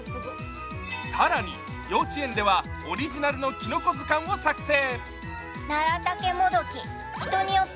更に、幼稚園ではオリジナルのきのこ図鑑を作成。